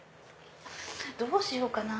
どうしようかな